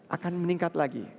akan meningkat lagi